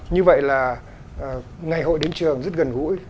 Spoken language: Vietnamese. như vậy là ngày hội đến trường rất gần gũi